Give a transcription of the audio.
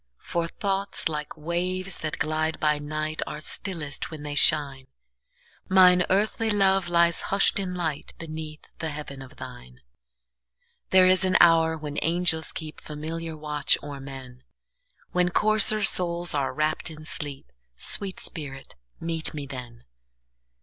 For thoughts, like waves that glide by night, Are stillest when they shine; Mine earthly love lies hush'd in lightBeneath the heaven of thine. There is an hour when angels keepFamiliar watch o'er men, When coarser souls are wrapp'd in sleep—Sweet spirit, meet me then!